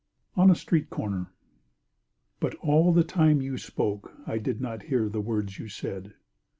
ON A STREET CORNER But all the time you spoke I did not hear The words you said.